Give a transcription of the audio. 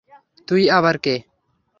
তুই আবার কে?